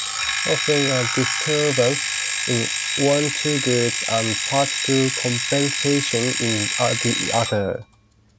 Often a disturbance in one triggers a partial compensation in the other.